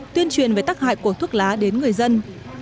tuyên truyền về tác hại của thuốc lá đến người dân